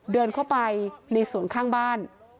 เดินเข้าไปในสวนข้างบ้าน